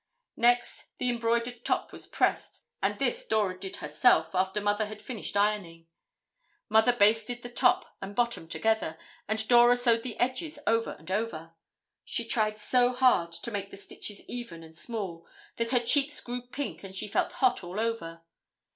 Next, the embroidered top was pressed, and this Dora did herself after Mother had finished ironing. Mother basted the top and bottom together and Dora sewed the edges over and over. She tried so hard to make the stitches even and small that her cheeks grew pink and she felt hot all over.